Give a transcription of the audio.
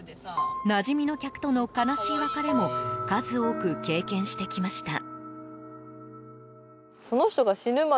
なじみの客との悲しい別れも数多く経験してきました。